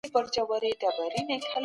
که کورنۍ وخت ورکړي، درس نه پاتې کېږي.